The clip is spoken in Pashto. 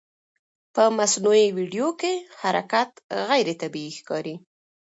په مصنوعي ویډیو کې حرکت غیر طبیعي ښکاري.